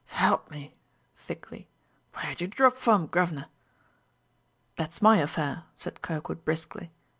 "S'help me," thickly, "where'd you drop from, guvner?" "That's my affair," said Kirkwood briskly.